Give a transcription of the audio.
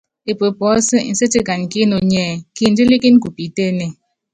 Epue puɔ́sɛ́ nséti kanyi kí inoní ɛ́ɛ́: Kindílíkíni ku piitéénée.